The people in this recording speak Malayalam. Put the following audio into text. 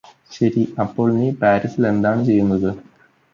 ശരി അപ്പോൾ നീ പാരിസിലെന്താണ് ചെയ്യുന്നത്